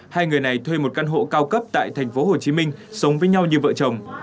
hai người này thuê một căn hộ cao cấp tại tp hcm sống với nhau như vợ chồng